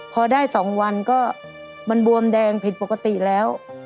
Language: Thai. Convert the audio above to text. พอได้๒วันก็มันบวมแดงผิดปกติแล้ว